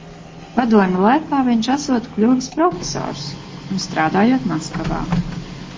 Padomju laikā viņš esot kļuvis profesors un strādājot Maskavā.